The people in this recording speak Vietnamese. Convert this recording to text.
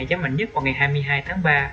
giảm mạnh nhất vào ngày hai mươi hai tháng ba